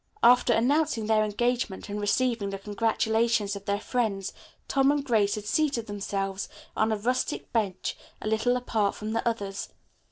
After announcing their engagement and receiving the congratulations of their friends, Tom and Grace had seated themselves on a rustic bench a little apart from the others.